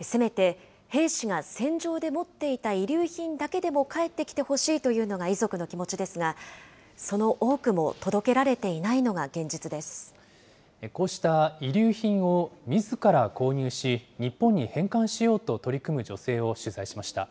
せめて兵士が戦場で持っていた遺留品だけでも返ってきてほしいというのが遺族の気持ちですが、その多くも届けられていないのが現こうした遺留品をみずから購入し、日本に返還しようと取り組む女性を取材しました。